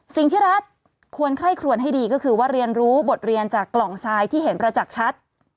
สิ่งที่รัฐควรไคร่ครวนให้ดีก็คือว่าเรียนรู้บทเรียนจากกล่องทรายที่เห็นประจักษ์ชัด